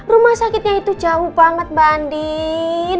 rumah sakitnya itu jauh banget bandin